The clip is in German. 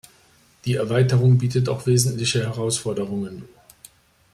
Die Erweiterung bietet auch wesentliche Herausforderungen.